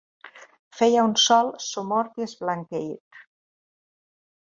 Feia un sol somort i esblanqueït.